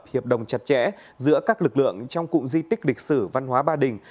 hiệp đồng chặt chẽ giữa các lực lượng trong cụm di tích lịch sử văn hóa ba đình